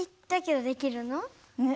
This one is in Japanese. だけどできるの？